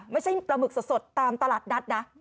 ไม่ใช่ปลาหมึกสดตามตลาดนัดนะ